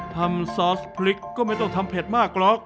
ซอสพริกก็ไม่ต้องทำเผ็ดมากหรอก